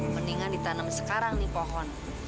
mendingan ditanam sekarang di pohon